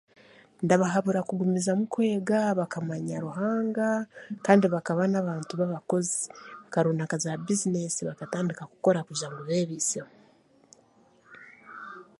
Ndabahabura kugumizamu kwega bakamanya Ruhanga kandi bakaba n'abakozi bakaronda naza bizineesi bakatandika kukora kugira ngu beebiiseho